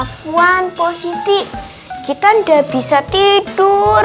puan positi kita udah bisa tidur